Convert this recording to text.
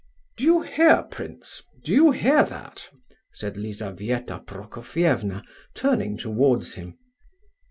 "Do you hear, prince—do you hear that?" said Lizabetha Prokofievna, turning towards him.